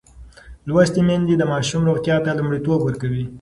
لوستې میندې د ماشوم روغتیا ته لومړیتوب ورکوي.